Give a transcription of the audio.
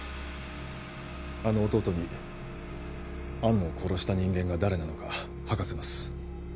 あの弟に安野を殺した人間が誰なのか吐かせます